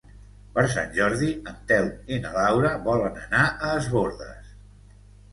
Per Sant Jordi en Telm i na Laura volen anar a Es Bòrdes.